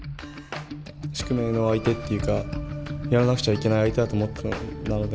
宿命の相手っていうかやらなくちゃいけない相手だと思っていたので。